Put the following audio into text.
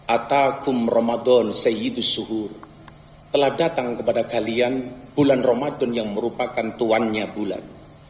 atakum ramadan seyyidus zuhur telah datang kepada kalian bulan ramadan yang merupakan tuannya bulan